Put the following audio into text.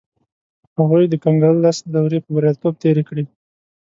هغوی د کنګل لس دورې په بریالیتوب تېرې کړې.